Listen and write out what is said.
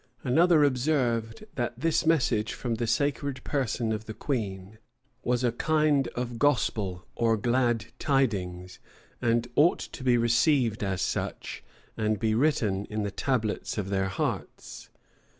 [v] Another observed, that this message from the sacred person of the queen was a kind of gospel or glad tidings, and ought to be received as such, and be written in the tablets of their hearts.